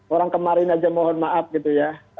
orang kemarin aja mohon maaf gitu ya